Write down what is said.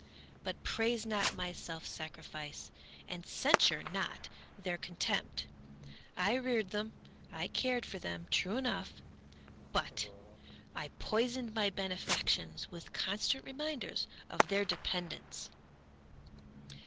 But praise not my self sacrifice. And censure not their contempt; I reared them, I cared for them, true enough!— But I poisoned my benefactions With constant reminders of their dependence.